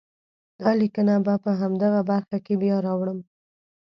دا لیکنه به په همدغه برخه کې بیا راوړم.